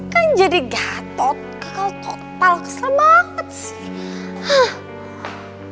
kan jadi gatot kekaltot kepala kesel banget sih